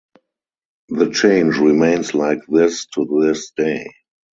The change remains like this to this day.